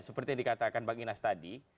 seperti yang dikatakan bang inas tadi